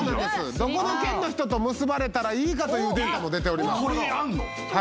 どこの県の人と結ばれたらいいかというデータも出ております。